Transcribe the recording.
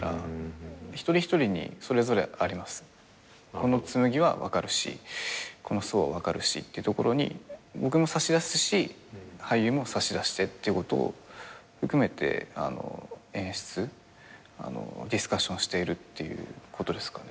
この紬は分かるしこの想は分かるしってところに僕も差し出すし俳優も差し出してっていうことを含めて演出ディスカッションしているっていうことですかね。